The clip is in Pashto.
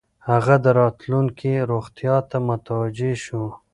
هغه د راتلونکې روغتیا ته متوجه شو.